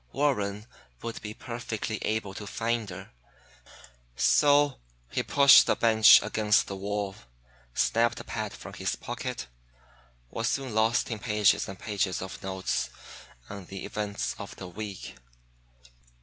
Warren would be perfectly able to find her; so he pushed the bench against the wall, snapped a pad from his pocket, was soon lost in pages and pages of notes on the events of the week.